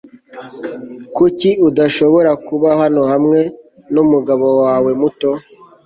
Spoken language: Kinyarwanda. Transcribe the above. kuki udashobora kuba hano hamwe numugabo wawe muto